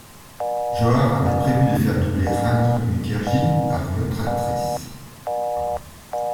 Johar avait prévu de faire doubler Rani Mukherjee par une autre actrice.